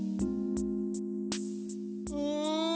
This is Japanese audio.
うん。